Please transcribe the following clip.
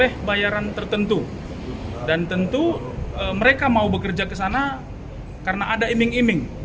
boleh bayaran tertentu dan tentu mereka mau bekerja ke sana karena ada iming iming